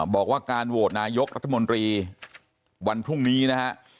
บอกว่าการโหวตนายกรัฐมนตรีวันพรุ่งนี้นะฮะ